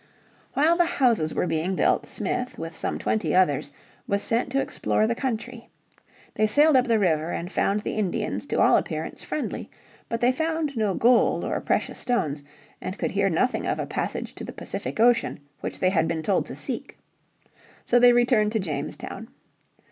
While the houses were being built Smith, with some twenty others, was sent to explore the country. They sailed up the river and found the Indians to all appearance friendly. But they found no gold or precious stones, and could hear nothing of a passage to the Pacific Ocean which they had been told to seek. So they returned to Jamestown.